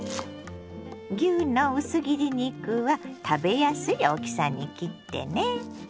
牛の薄切り肉は食べやすい大きさに切ってね。